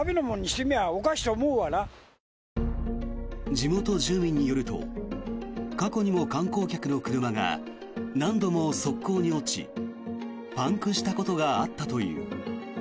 地元住民によると過去にも観光客の車が何度も側溝に落ちパンクしたことがあったという。